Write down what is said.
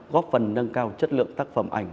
góp phần nâng cao chất lượng tác phẩm ảnh